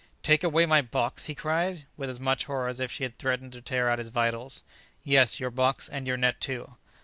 "Take away my box!" he cried, with as much horror as if she had threatened to tear out his vitals. "Yes, your box and your net too!"